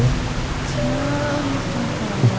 ubahlah kodar yang buruk ini